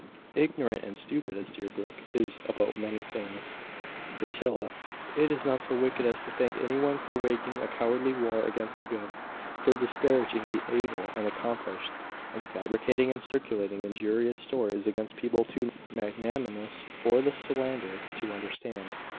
"Ignorant and stupid as Deerbrook is about many things, Priscilla, it is not so wicked as to thank any one for waging a cowardly war against the good, for disparaging the able and accomplished, and fabricating and circulating injurious stories against people too magnanimous for the slanderer to understand."